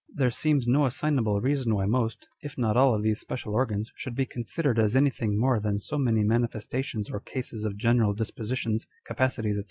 There seems no assignable reason why most, if not all of these special organs should be considered as anything more than so many manifesta tions or cases of general dispositions, capacities, &c.